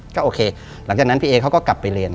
ก็โอเคหลังจากนั้นพี่เอเขาก็กลับไปเรียน